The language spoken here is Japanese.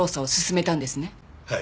はい。